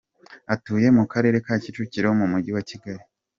Atuye mu Karere ka Kicukiro mu Mujyi wa Kigali.